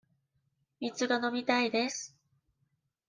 水が飲みたいです。